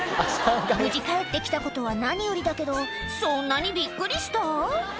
無事帰ってきたことは何よりだけどそんなにびっくりした？